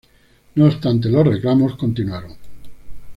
No obstante, los reclamos continuaron.